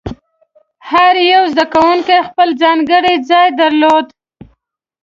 هر یو زده کوونکی خپل ځانګړی ځای درلود.